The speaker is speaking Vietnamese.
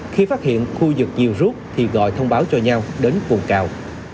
khi phát hiện khu vực nhiều rút thì gọi thông báo cho nhau đến cuồng cao